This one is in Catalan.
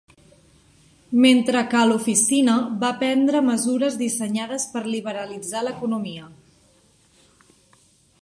Mentre que a l'oficina va prendre mesures dissenyades per liberalitzar l'economia.